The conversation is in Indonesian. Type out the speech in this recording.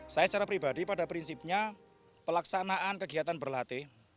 saya secara pribadi pada prinsipnya pelaksanaan kegiatan berlatih